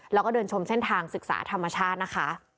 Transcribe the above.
แล้วก็เดินชมเส้นทางศึกษาธรรมชาตินะคะ